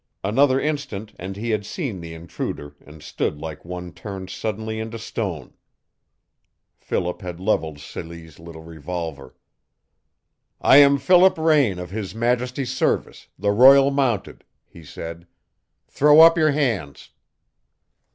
Another instant and he had seen the intruder and stood like one turned suddenly into stone. Philip had leveled Celie's little revolver. "I am Philip Raine of His Majesty's service, the Royal Mounted," he said. "Throw, up your hands!"